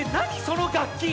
その楽器！？